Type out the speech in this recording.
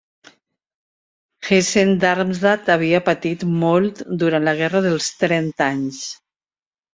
Hessen-Darmstadt havia patit molt durant la Guerra dels Trenta Anys.